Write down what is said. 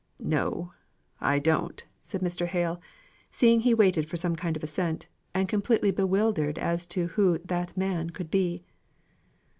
"No, I don't," said Mr. Hale, seeing he waited for some kind of assent, and completely bewildered as to who "that man" could be.